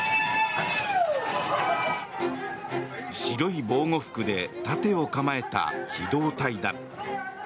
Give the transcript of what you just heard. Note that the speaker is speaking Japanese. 白い防護服で盾を構えた機動隊だ。